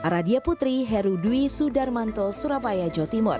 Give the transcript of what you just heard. radia putri herudwi sudarmanto surabaya jawa timur